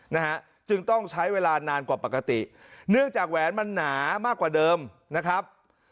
นะฮะจึงต้องใช้เวลานานกว่าปกติเนื่องจากแหวนมันหนามากกว่าเดิมนะครับ